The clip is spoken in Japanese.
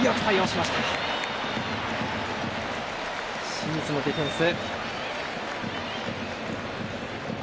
清水のディフェンス。